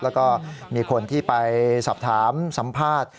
แล้วก็มีคนที่ไปสอบถามสัมภาษณ์